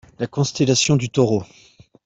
La constellation du Taureau.